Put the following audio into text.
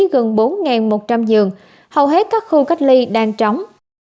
gần bốn một trăm linh giường hầu hết các khu cách ly đang trống